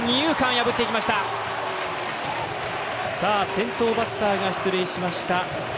先頭バッターが出塁しました。